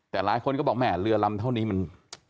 แต่หลายคนก็บอกแม่เรือลำเท่านี้มัน